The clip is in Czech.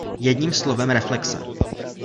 Jedním slovem reflexe.